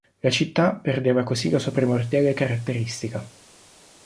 La città perdeva così la sua primordiale caratteristica.